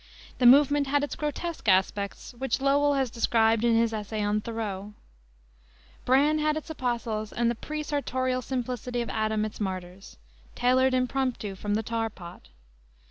The movement had its grotesque aspects, which Lowell has described in his essay on Thoreau. "Bran had its apostles and the pre sartorial simplicity of Adam its martyrs, tailored impromptu from the tar pot.